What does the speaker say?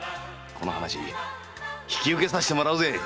この話引き受けさせてもらうぜ！